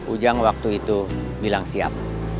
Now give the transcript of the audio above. ujang waktu itu bilang siap